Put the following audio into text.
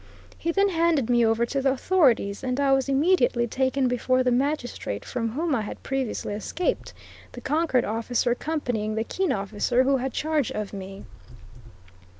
He then handed me over to the authorities, and I was immediately taken before the magistrate from whom I had previously escaped, the Concord officer accompanying the Keene officer who had charge of me.